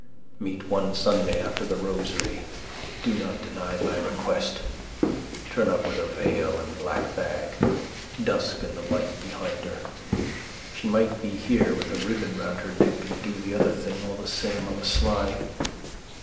Meet one Sunday after the rosary. Do not deny my request. Turn up with a veil and black bag. Dusk and the light behind her. She might be here with a ribbon round her neck and do the other thing all the same on the sly.